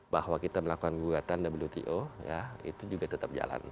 bahwa kita melakukan gugatan wto itu juga tetap jalan